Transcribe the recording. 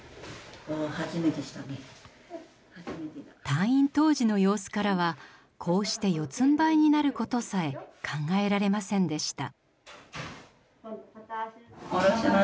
退院当時の様子からはこうして四つんばいになることさえ考えられませんでした。